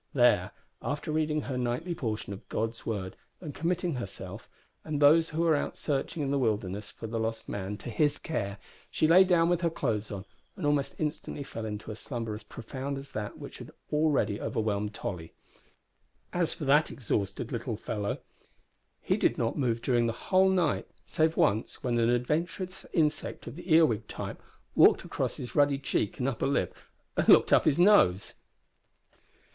There, after reading her nightly portion of God's Word and committing herself, and those who were out searching in the wilderness for the lost man, to His care, she lay down with her clothes on, and almost instantly fell into a slumber as profound as that which had already overwhelmed Tolly. As for that exhausted little fellow, he did not move during the whole night, save once, when an adventurous insect of the earwig type walked across his ruddy cheek and upper lip and looked up his nose.